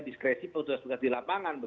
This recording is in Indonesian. diskresi petugas petugas di lapangan